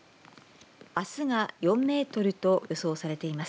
あすが４メートルと予想されています。